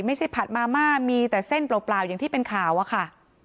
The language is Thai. ผัดมาม่ามีแต่เส้นเปล่าอย่างที่เป็นข่าวอะค่ะ